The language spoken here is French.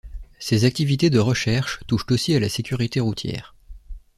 Ses activités de recherche touchent aussi à la sécurité routière.